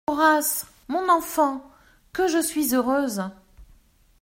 Horace !… mon enfant !… que je suis heureuse !